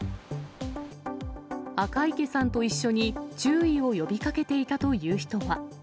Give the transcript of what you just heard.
赤池さんと一緒に注意を呼びかけていたという人は。